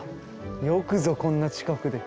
よくぞこんな近くで。